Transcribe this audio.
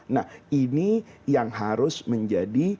nah ini yang harus menjadi